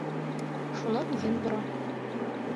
Шунан йөн борам.